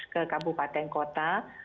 ke kabupaten kota